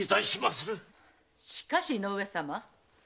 しかし井上様。